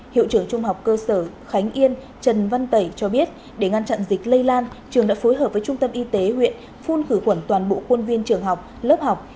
hiệu trưởng trung học cơ sở khánh yên trần văn tẩy cho biết để ngăn chặn dịch lây lan trường đã phối hợp với trung tâm y tế huyện phun khử khuẩn toàn bộ khuôn viên trường học lớp học